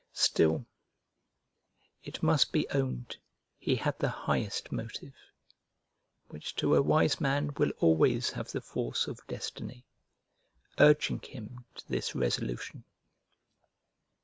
Still, it must be owned he had the highest motive (which to a wise man will always have the force of destiny), urging him to this resolution.